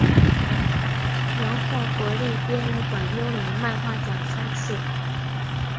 荣获国立编译馆优良漫画奖三次。